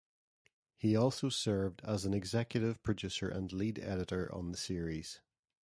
He also served as an executive producer and lead editor on the series.